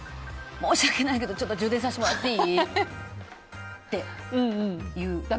申し訳ないけどちょっと充電させてもらっていい？って言う。